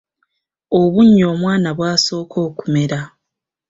Obunnyo omwana bw’asooka okumera.